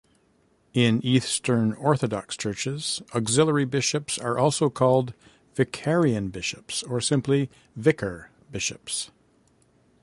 In Eastern Orthodox Churches, auxiliary bishops are also called "vicarian bishops" or simply "vicar-bishops".